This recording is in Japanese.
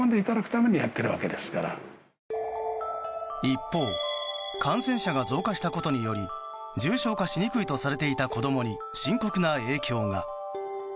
一方感染者が増加したことにより重症化しにくいとされていた子供に、深刻な影響が。